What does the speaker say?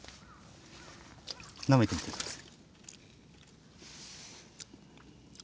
なめてみて下さい。